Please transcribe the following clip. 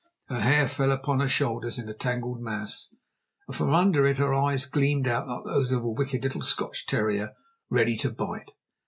Her hair fell upon her shoulders in a tangled mass, and from under it her eyes gleamed out like those of a wicked little Scotch terrier ready to bite.